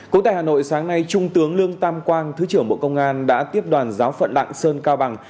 cũng tại hà nội sáng nay trung tướng lương tam quang thứ trưởng bộ công an đã tiếp đoàn giáo phận lạng sơn cao bằng